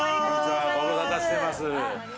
ご無沙汰してます。